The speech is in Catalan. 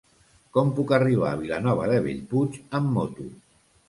Com puc arribar a Vilanova de Bellpuig amb moto?